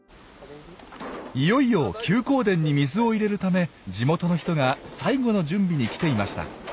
いよいよ休耕田に水を入れるため地元の人が最後の準備に来ていました。